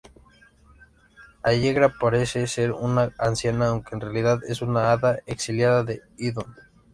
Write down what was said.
Allegra parece ser una anciana, aunque en realidad es una hada exiliada de Idhún.